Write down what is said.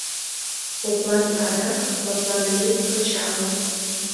Коклан адак, лыпланымем кычалын